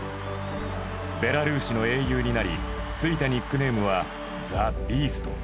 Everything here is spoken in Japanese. ベラルーシの英雄になりついたニックネームはザ・ビースト。